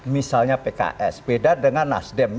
misalnya pks beda dengan nasdem